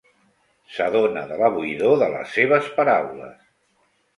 S'adona de la buidor de les seves paraules.